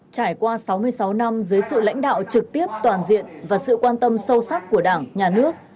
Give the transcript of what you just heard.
trải qua sáu mươi sáu năm dưới sự lãnh đạo trực tiếp toàn diện và sự quan tâm sâu sắc của đảng nhà nước